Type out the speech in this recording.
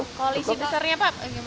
koalisi besarnya apa